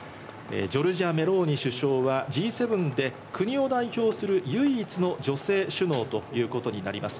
ジョルジャ・メローニ首相はＧ７で、国を代表する唯一の女性首脳ということになります。